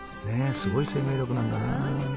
すごい生命力なんだな。